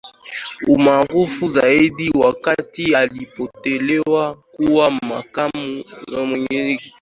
Umaarufu zaidi wakati alipoteuliwa kuwa Makamu Mwenyekiti wa Bunge la Katiba